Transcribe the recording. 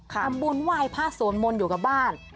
ทำบุญไหว้พระสวดมนต์อยู่กับบ้าน